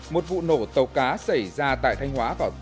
một vụ nổ tàu cá xảy ra tại thanh hóa vào tuần trước